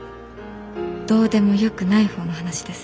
どうでもよくない方の話です。